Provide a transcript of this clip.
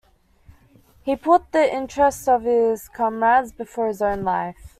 He put the interests of his comrades before his own life.